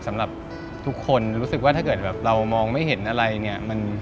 สำหรับทุกคนรู้สึกว่าถ้าเกิดแบบเรามองไม่เห็นอะไรเนี่ย